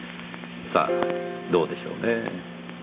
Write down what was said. さあどうでしょうねぇ。